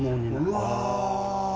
うわ。